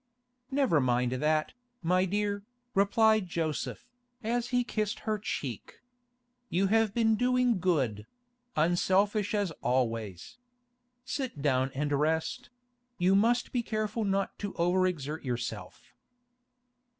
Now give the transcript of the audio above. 'Never mind that, my dear,' replied Joseph, as he kissed her cheek. 'You have been doing good—unselfish as always. Sit down and rest; you must be careful not to over exert yourself.